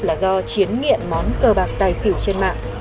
là do chiến nghiện món cờ bạc tài xỉu trên mạng